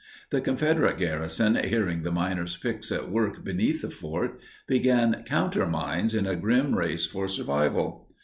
The Confederate garrison, hearing the miners' picks at work beneath the fort, began countermines in a grim race for survival.